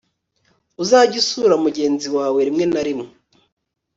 uzajye usura mugenzi wawe rimwe na rimwe